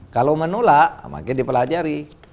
kalau menolak makin dipelajari